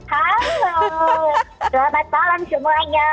halo selamat malam semuanya